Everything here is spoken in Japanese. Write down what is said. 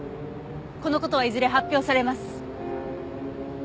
この事はいずれ発表されます。